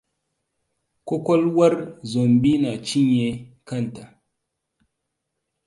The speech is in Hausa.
Ƙwaƙwalwar Zombi na cinye kanta.